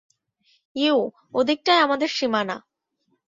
You, ওদিকটায় আমাদের সীমানা।